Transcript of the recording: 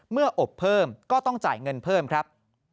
มอบเพิ่มก็ต้องจ่ายเงินเพิ่มครับ